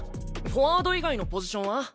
フォワード以外のポジションは？